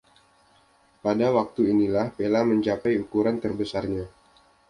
Pada waktu inilah Pella mencapai ukuran terbesarnya.